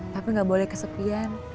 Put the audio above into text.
papi gak boleh kesepian